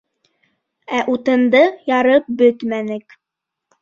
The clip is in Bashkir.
Ә утынды ярып бөтмәнек.